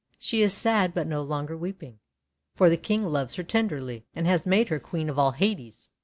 She is sad but no longer weeping, for the King loves her tenderly, and has made her Queen of all Hades."